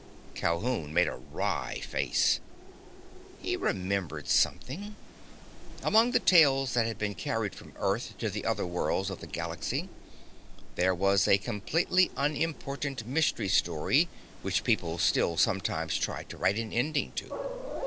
Calhoun made a wry face. He'd remembered something. Among the tales that had been carried from Earth to the other worlds of the galaxy there was a completely unimportant mystery story which people still sometimes tried to write an ending to.